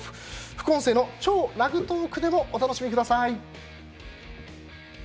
副音声の「超ラグトーク」でもお楽しみください。